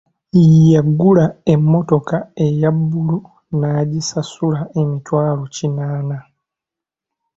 Yagula emmotoka eya bbulu n'agisasula emitwalo kinaana.